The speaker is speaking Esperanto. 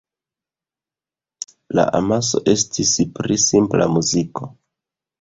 La amaso estis pri simpla muziko.